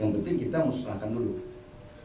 yang penting kita musnahkan dulu